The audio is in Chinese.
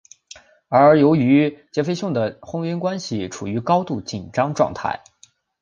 而由于杰佛逊的婚姻关系处于高度紧张状态。